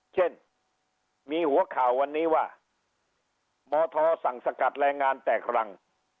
เช่นมีหัวข่าววันนี้ว่ามทสั่งสกัดแรงงานแตกรัง